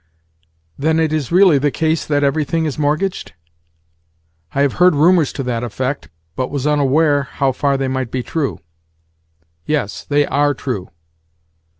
"Then it is really the case that everything is mortgaged? I have heard rumours to that effect, but was unaware how far they might be true." "Yes, they are true.